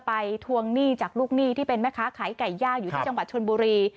ทวงหนี้จากลูกหนี้ที่เป็นแม่ค้าขายไก่ย่างอยู่ที่จังหวัดชนบุรี